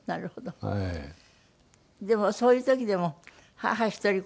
でもそういう時でも母一人子